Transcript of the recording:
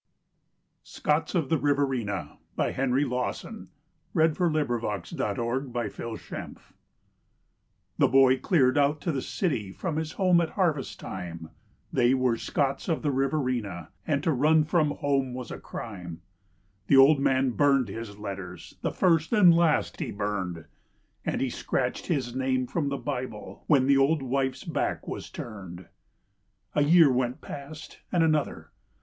ained villain ! Beef moo cow Roast Bullock BEEF ! 189? Scots of the Riverina HE boy cleared out to the city from his home at the harvest time They were Scots of the Riverina, and to run from home was a crime. The old man burned his letters, the first and last he burned, And he scratched his name from the Bible when the old wife's back was turned. A year went past and another.